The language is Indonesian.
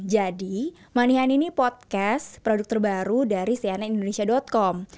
jadi manihani ini podcast produk terbaru dari cnn indonesia com